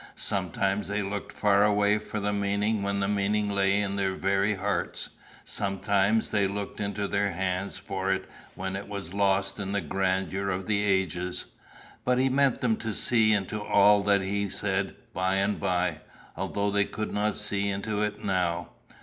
Sometimes they looked far away for the meaning when the meaning lay in their very hearts; sometimes they looked into their hands for it when it was lost in the grandeur of the ages. But he meant them to see into all that he said by and by, although they could not see into it now.